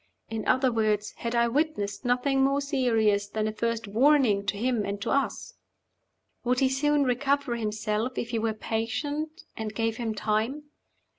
In other words, had I witnessed nothing more serious than a first warning to him and to us? Would he soon recover himself, if we were patient, and gave him time?